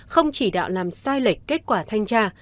không chỉ đạo làm sai lệch kết quả thanh tra